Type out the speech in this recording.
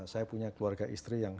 saya punya keluarga istri yang